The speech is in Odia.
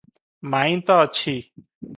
ମାଇଁ ତ ଅଛି!